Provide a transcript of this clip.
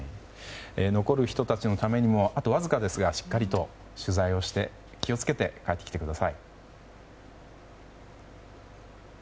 残る人たちのためにもあとわずかですがしっかりと取材をして気をつけて帰ってきてください。